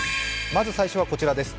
まず最初はこちらです。